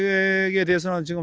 tapi tidak ada hubungan